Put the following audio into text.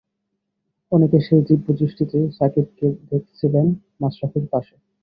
অনেকে সেই দিব্যদৃষ্টিতেই সাকিবকে দেখছিলেন মাশরাফির পাশে।